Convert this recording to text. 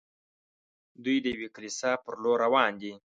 دوی د یوې کلیسا پر لور روان دي.